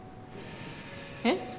えっ？